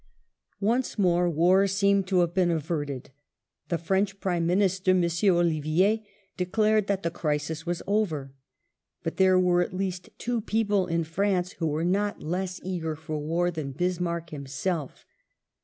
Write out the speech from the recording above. Once more war seemed to have been averted. The French Prime Minister M. Ollivier declared that the crisis was over, but there were at least two people in France who were not less eager for war than Bismarck himself.